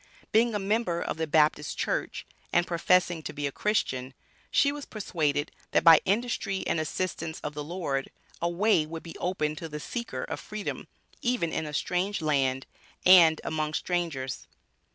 Being a member of the Baptist Church, and professing to be a Christian, she was persuaded that, by industry and assistance of the Lord, a way would be opened to the seeker of Freedom even in a strange land and among strangers.